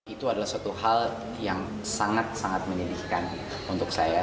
itu adalah suatu hal yang sangat sangat menyedihkan untuk saya